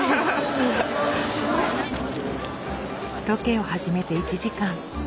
ロケを始めて１時間。